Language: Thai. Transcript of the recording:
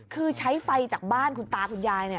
คือใช้ไฟจากบ้านคุณตาคุณยาย